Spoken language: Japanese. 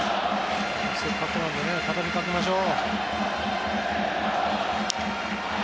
せっかくなのでたたみかけましょう。